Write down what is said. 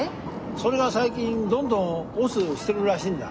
それが最近どんどん押忍してるらしいんだ。